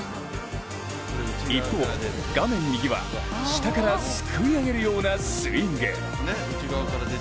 一方、画面右は、下からすくい上げるようなスイング。